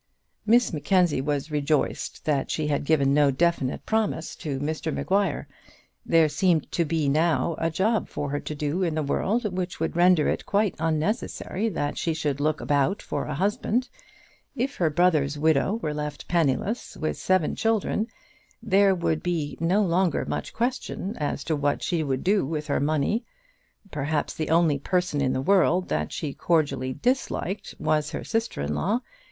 Miss Mackenzie was rejoiced that she had given no definite promise to Mr Maguire. There seemed to be now a job for her to do in the world which would render it quite unnecessary that she should look about for a husband. If her brother's widow were left penniless, with seven children, there would be no longer much question as to what she would do with her money. Perhaps the only person in the world that she cordially disliked was her sister in law.